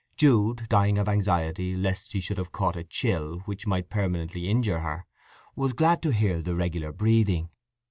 Jude, dying of anxiety lest she should have caught a chill which might permanently injure her, was glad to hear the regular breathing.